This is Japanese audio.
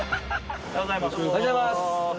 おはようございます！